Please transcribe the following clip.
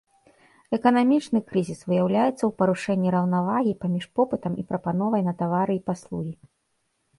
Эканамічны крызіс выяўляецца ў парушэнні раўнавагі паміж попытам і прапановай на тавары і паслугі.